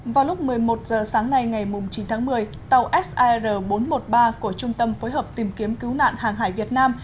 vào lúc một mươi một h sáng nay ngày chín tháng một mươi tàu sir bốn trăm một mươi ba của trung tâm phối hợp tìm kiếm cứu nạn hàng hải việt nam